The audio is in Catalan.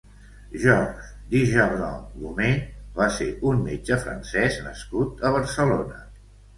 Georges Dujardin-Beaumetz va ser un metge francès nascut a Barcelona.